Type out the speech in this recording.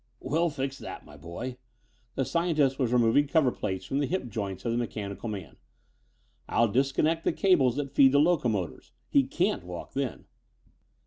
"We'll fix that, my boy." The scientist was removing cover plates from the hip joints of the mechanical man. "I'll disconnect the cables that feed the locomotors. He can't walk then."